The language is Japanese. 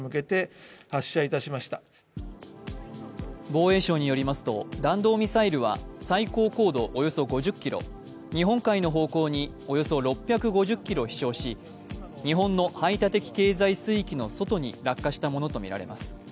防衛省によりますと、弾道ミサイルは最高高度およそ５０ｋｍ日本海の方向におよそ６５０ｋｍ飛翔し日本の排他的経済水域の外に落下したものとみられます。